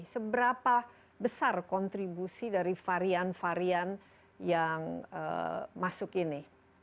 seberapa besar kontribusi dari varian varian yang masuk ini